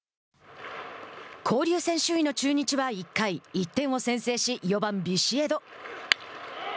交流戦首位の中日は１回１点を先制し、４番ビシエド。